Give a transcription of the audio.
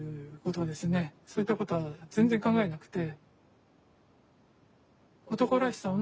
そういったことは全然考えなくて。